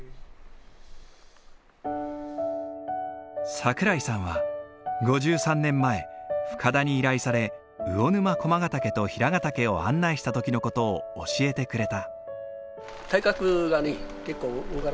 桜井さんは５３年前深田に依頼され魚沼駒ヶ岳と平ヶ岳を案内した時の事を教えてくれた。